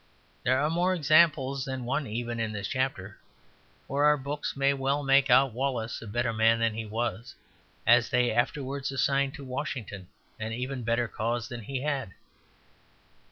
There are more examples than one even in this chapter, for our books may well make out Wallace a better man than he was, as they afterwards assigned to Washington an even better cause than he had.